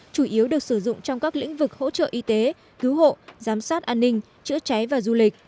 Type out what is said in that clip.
chủ yếu được sử dụng trong các lĩnh vực hỗ trợ y tế cứu hộ giám sát an ninh chữa cháy và du lịch